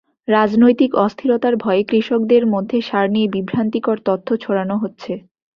রাজনৈতিক অস্থিরতার ভয়ে কৃষকদের মধ্যে সার নিয়ে বিভ্রান্তিকর তথ্য ছড়ানো হচ্ছে।